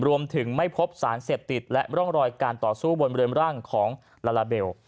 รวมถึงไม่พบสารเสพติดและร่องรอยการต่อสู้บนบริเวณร่างของลาลาเบล